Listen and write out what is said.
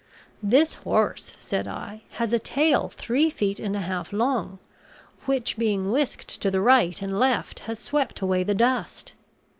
This horse, said I, has a tail three feet and a half long, which being whisked to the right and left, has swept away the dust.